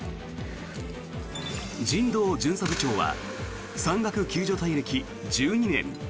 神藤巡査部長は山岳救助隊歴１２年。